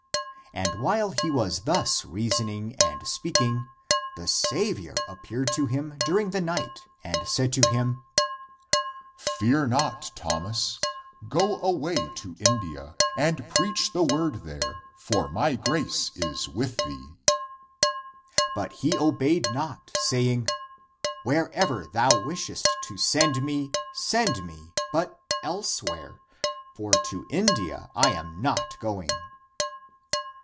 " And while he was thus reasoning and speaking, the Saviour appeared to him during the night and said to him, " Fear not, Thomas, go away to India and preach the word there, for my grace is with thee." But he obeyed not, saying, " Wherever thou wishest to send me, send me, (but) elsewhere. For to India I am not going."